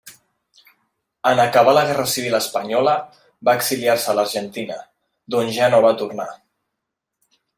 En acabar la guerra civil espanyola va exiliar-se a l'Argentina, d'on ja no va tornar.